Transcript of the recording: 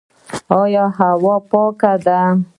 آیا هوا پاکه ده؟